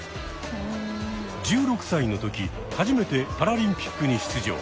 １６歳の時初めてパラリンピックに出場。